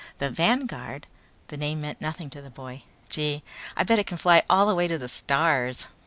"The Vanguard?" The name meant nothing to the boy. "Gee, I'll bet it can fly all the way to the stars!"